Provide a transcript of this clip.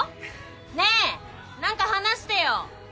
ねえ何か話してよ